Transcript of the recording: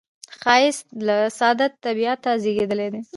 ښایست له ساده طبعیته زیږېدلی دی